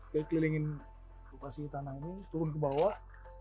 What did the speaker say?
kekelilingin lokasi tanah ini turun ke bawah